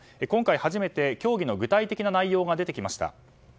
今回初めて、協議の具体的な内容が出てきました。